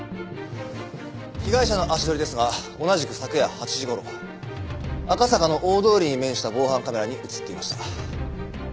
被害者の足取りですが同じく昨夜８時頃赤坂の大通りに面した防犯カメラに映っていました。